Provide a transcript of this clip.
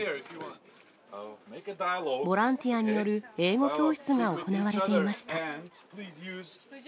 ボランティアによる英語教室が行われていました。